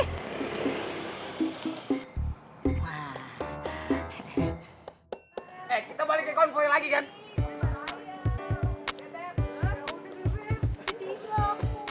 oke kita balik ke konvoy lagi kan